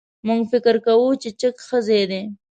موږ فکر کوو چې چک ښه ځای دی.